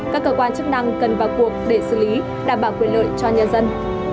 các cơ quan chức năng cần vào cuộc để xử lý đảm bảo quyền lợi cho nhân dân